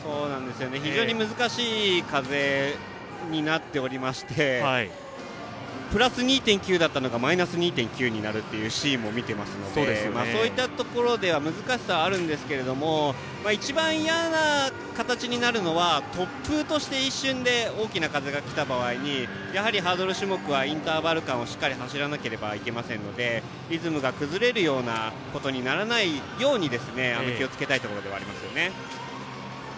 非常に難しい風になっておりましてプラス２．９だったのがマイナス２．９になるというシーンも見ていますのでそういったところでは難しさはあるんですが一番いやな形になるのは突風として、一瞬で大きな風が来た場合に、ハードル種目はインターバル間をしっかりと走らなきゃいけませんのでリズムが崩れないように気をつけたいところではありますね。